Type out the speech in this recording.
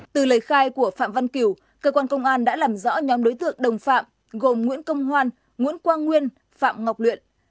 từ lời khai của phạm văn kiều cơ quan công an đã làm rõ nhóm đối tượng đồng phạm gồm nguyễn công hoan nguyễn quang nguyên phạm ngọc luyện